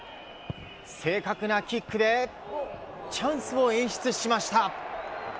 正確なキックでチャンスを演出しました。